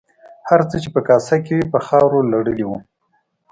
هر څه چې په کاسه کې وو په خاورو لړلي وو.